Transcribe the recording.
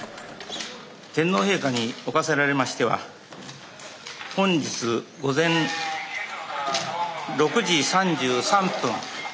天皇陛下におかせられましては本日午前６時３３分